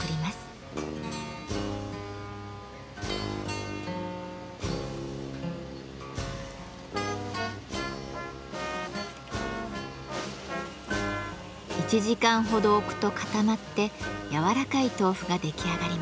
１時間ほど置くと固まってやわらかい豆腐が出来上がります。